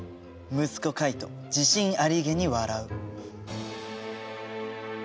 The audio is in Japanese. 息子カイト自信ありげに笑う。